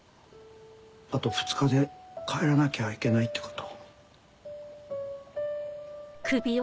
あと２日で帰らなきゃいけないってこと。